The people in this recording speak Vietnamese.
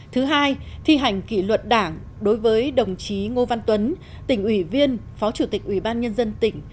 thứ hai thi hành kỷ luật đảng đối với đồng chí ngô văn tuấn tỉnh ủy viên phó chủ tịch ủy ban nhân dân tỉnh